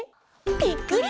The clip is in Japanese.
「ぴっくり！